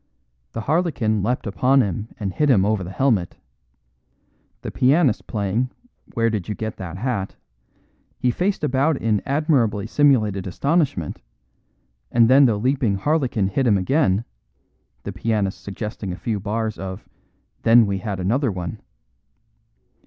The harlequin leapt upon him and hit him over the helmet; the pianist playing "Where did you get that hat?" he faced about in admirably simulated astonishment, and then the leaping harlequin hit him again (the pianist suggesting a few bars of "Then we had another one").